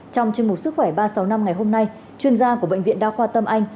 trong chương mục sức khỏe ba trăm sáu mươi năm ngày hôm nay chuyên gia của bệnh viện đa khoa tâm anh